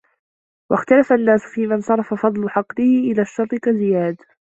وَاخْتَلَفَ النَّاسُ فِيمَنْ صَرَفَ فَضْلَ عَقْلِهِ إلَى الشَّرِّ كَزِيَادٍ